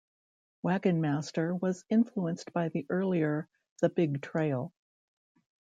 "Wagon Master" was influenced by the earlier "The Big Trail".